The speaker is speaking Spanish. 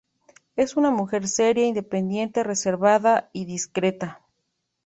Es una mujer seria, independiente, reservada y discreta.